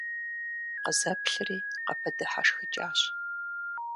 Къызэплъри, къыпыдыхьэшхыкӀащ.